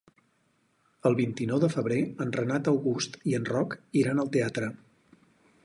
El vint-i-nou de febrer en Renat August i en Roc iran al teatre.